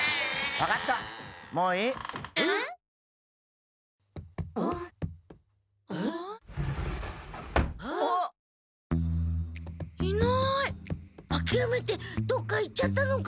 あきらめてどっか行っちゃったのかな？